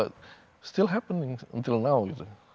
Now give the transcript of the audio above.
masih terjadi sampai sekarang